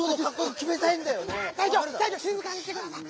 しずかにしてください！